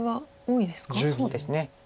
そうですね。